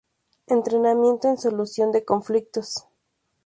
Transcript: Entrenamiento en solución de conflictos